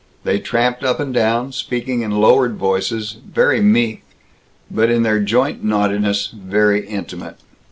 They tramped up and down, speaking in lowered voices, very meek but in their joint naughtiness very intimate.